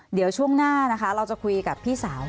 เดี๋ยวช่วงหน้านะคะเราจะคุยกับพี่สาว